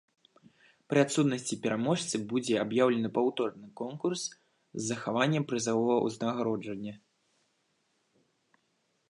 Пры адсутнасці пераможцы будзе аб'яўлены паўторны конкурс з захаваннем прызавога ўзнагароджання.